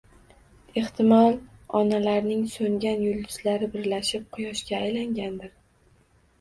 Ehtimol, onalarning so‘ngan yulduzlari birlashib quyoshga aylangandir.